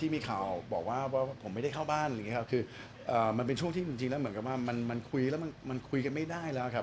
มีข่าวบอกว่าว่าว่าผมไม่ได้เข้าบ้านหรือไงครับคือเอ่อมันเป็นช่วงที่จริงจริงแล้วเหมือนกับว่ามันมันคุยแล้วมันคุยกันไม่ได้แล้วครับ